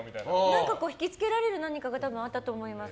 何かひきつけられる何かがあったと思います。